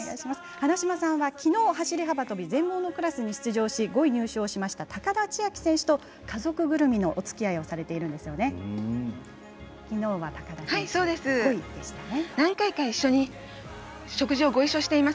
花島さんはきのう走り幅跳び全盲のクラスに出場し、５位入賞しました高田千明選手と家族ぐるみのおつきあいを何回か一緒に食事をご一緒しています。